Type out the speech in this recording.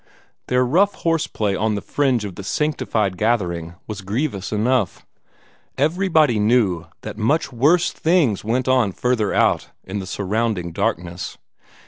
Their rough horse play on the fringe of the sanctified gathering was grievous enough; everybody knew that much worse things went on further out in the surrounding darkness.